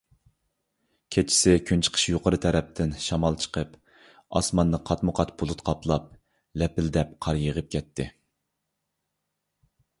كېچىسى كۈنچىقىش يۇقىرى تەرەپتىن شامال چىقىپ، ئاسماننى قاتمۇقات بۇلۇت قاپلاپ، لەپىلدەپ قار يېغىپ كەتتى.